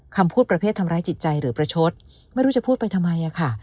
คำพูดประเภททำร้ายจิตใจหรือประชดไม่รู้จะพูดไปทำไมอะค่ะ